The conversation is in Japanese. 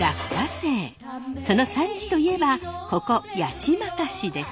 その産地といえばここ八街市です。